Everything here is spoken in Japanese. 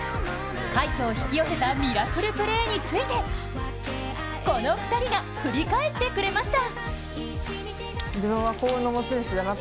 快挙を引き寄せたミラクルプレーについてこの２人が振り返ってくれました。